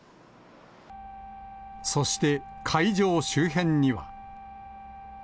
そして、会場周辺には。